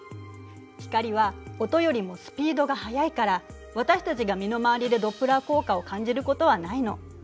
光は音よりもスピードが速いから私たちが身の回りでドップラー効果を感じることはないの。